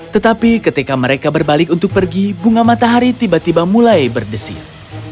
tetapi ketika mereka berbalik untuk pergi bunga matahari tiba tiba mulai berdesir